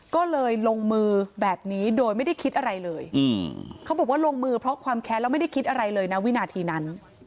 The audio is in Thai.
ก็เลยลงมือแบบนี้โดยไม่ได้คิดอะไรเลยเขาบอกว่าลงมือเพราะความแค้นแล้วไม่ได้คิดอะไรเลยนะวินาทีนั้น